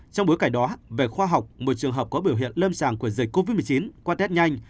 trong bối cảnh đó về khoa học một trường hợp có biểu hiện lâm sàng của dịch covid một mươi chín qua test nhanh